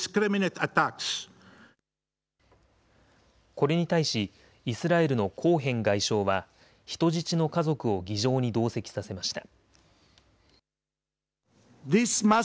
これに対しイスラエルのコーヘン外相は人質の家族を議場に同席させました。